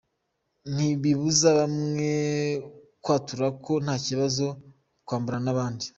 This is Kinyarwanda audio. Ntibibuza bamwe kwatura ko nta kibazo kwambarana n’abandi.